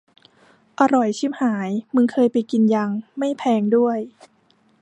อร่อยชิบหาย มึงเคยไปกินยัง ไม่แพงด้วย